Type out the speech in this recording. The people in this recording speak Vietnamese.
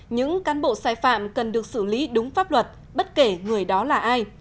những cán bộ sai phạm cần được xử lý đúng pháp luật bất kể người đó là ai